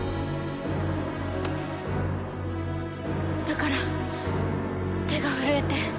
だから手が震えて。